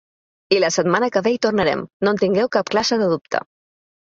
I la setmana que ve hi tornarem, no en tingueu cap classe de dubte.